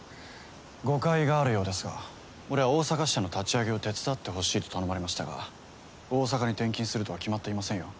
誤解があるようですが俺は大阪支社の立ち上げを手伝ってほしいと頼まれましたが大阪に転勤するとは決まっていませんよ。